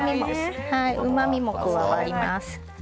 うまみもあります。